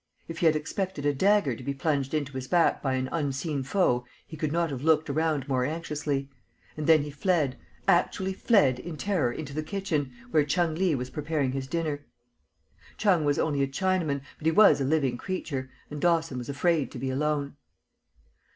If he had expected a dagger to be plunged into his back by an unseen foe he could not have looked around more anxiously; and then he fled, actually fled in terror into the kitchen, where Chung Lee was preparing his dinner. Chung was only a Chinaman, but he was a living creature, and Dawson was afraid to be alone.